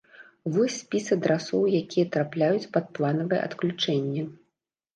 Вось спіс адрасоў, якія трапляюць пад планавае адключэнне.